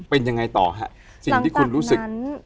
เป็นยังไงต่อฮะสิ่งที่คุณรู้สึก